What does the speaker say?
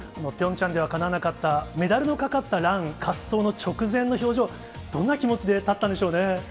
ピョンチャンではかなわなかったメダルのかかったラン、滑走の直前の表情、どんな気持ちで立ったんでしょうね。